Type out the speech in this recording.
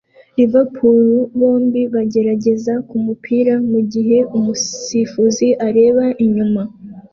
Liverpool bombi bagerageza kumupira mugihe umusifuzi areba inyuma